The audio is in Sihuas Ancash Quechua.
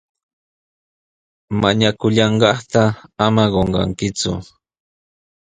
Mañakullanqaata ama qunqakiku.